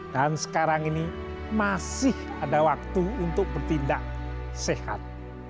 dan sekarang ini masih ada waktu untuk bertindak sehat